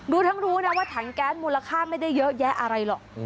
รู้ทั้งรู้นะว่าถังแก๊สมูลค่าไม่ได้เยอะแยะอะไรหรอก